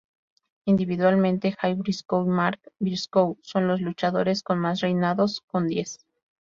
Individualmente, Jay Briscoe y Mark Briscoe son los luchadores con más reinados con diez.